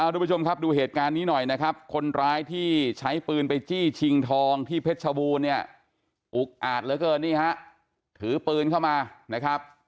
ทุกผู้ชมครับดูเหตุการณ์นี้หน่อยนะครับคนร้ายที่ใช้ปืนไปจี้ชิงทองที่เพชรชบูรณ์เนี่ยอุกอาจเหลือเกินนี่ฮะถือปืนเข้ามานะครับ